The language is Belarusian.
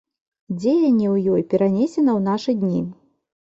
Дзеянне ў ёй перанесена ў нашы дні.